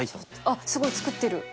あっすごい作ってる。